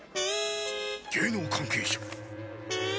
芸能関係者。